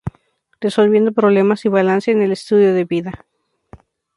Resolviendo problemas, y Balance en el estilo de vida.